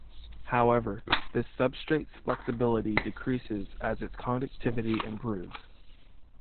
However, this substrate's flexibility decreases as its conductivity improves.